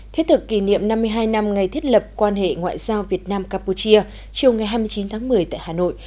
thiết thực kỷ niệm năm mươi hai năm ngày thiết lập quan hệ ngoại giao việt nam campuchia chiều ngày hai mươi chín tháng một mươi tại hà nội